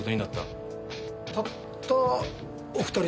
たったお二人？